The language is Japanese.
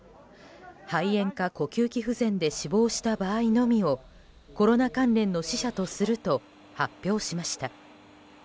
肺炎か呼吸器不全で死亡した場合のみをコロナ関連の死者とすると発表しました。